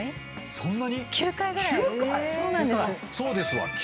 そんなに⁉９回⁉そうですわ。